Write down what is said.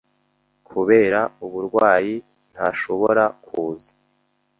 Kubera uburwayi, ntashobora kuza.